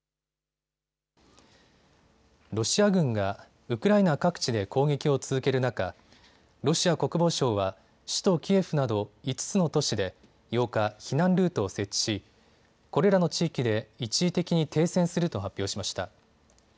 ロシア軍がウクライナ各地で攻撃を続ける中、ロシア国防省は首都キエフなど５つの都市で８日、避難ルートを設置し、これらの地域で一時的に停戦すると発表しました。